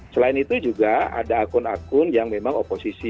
selain itu juga ada akun akun yang memang oposisi